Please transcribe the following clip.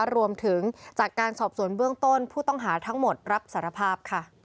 รวมถึงจากการสอบสวนเบื้องต้นผู้ต้องหาทั้งหมดรับสารภาพค่ะ